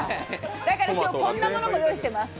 だから今日、こんなものも用意しています。